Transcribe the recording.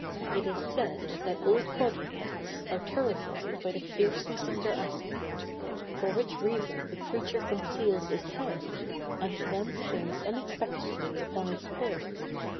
It is said that all quadrupeds are terrified by the fierceness of their aspect; for which reason the creature conceals its head, and then springs unexpectedly upon its prey.